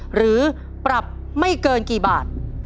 หรือปรับไม่เกินกี่บาท